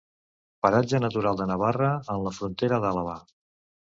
Paratge natural de Navarra, en la frontera d'Àlaba.